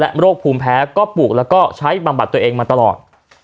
โรคภูมิแพ้ก็ปลูกแล้วก็ใช้บำบัดตัวเองมาตลอด